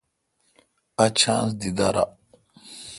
اؘ چانس دی درا۔